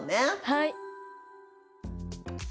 はい！